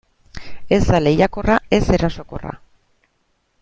Ez da lehiakorra, ez erasokorra.